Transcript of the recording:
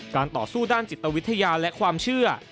ต่อสู้ด้านจิตวิทยาและความเชื่อ